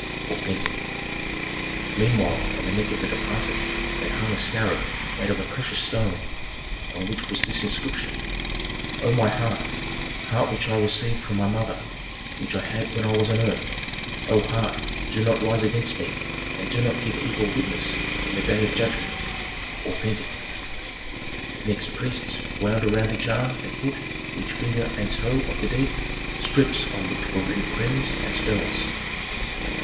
" Authentic. Meanwhile on the neck of the departed they hung a scarab made of a precious stone, on which was this inscription: "O my heart, heart which I received from my mother, which I had when I was on earth, O heart do not rise against me and do not give evil witness in the day of judgment." Authentic. Next priests wound around each arm and foot, each finger and toe of the dead, strips on which were written prayers and spells.